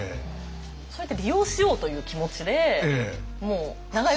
それって利用しようという気持ちでもう長慶を。